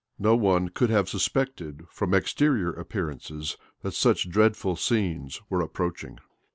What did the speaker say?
No one could have suspected, from exterior appearances, that such dreadful scenes were approaching.